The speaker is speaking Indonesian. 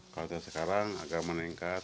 kalau dari sekarang agak meningkat